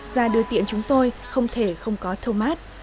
ra đưa tiện chúng tôi không thể không có thomas